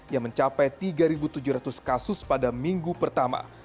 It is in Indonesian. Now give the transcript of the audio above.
yang mencapai tiga tujuh ratus kasus pada minggu pertama